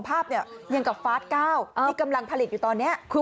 ภาพเนี่ยยังกับฟาส๙ที่กำลังผลิตอยู่ตอนนี้คือ